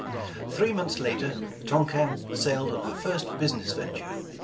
Three months later the Tonquin sailed on her first business venture.